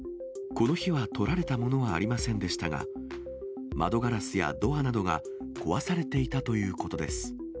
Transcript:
この日はとられたものはありませんでしたが、窓ガラスやドアなどが壊されていたということです。